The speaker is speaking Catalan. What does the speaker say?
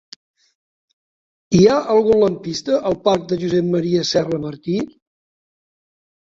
Hi ha algun lampista al parc de Josep M. Serra Martí?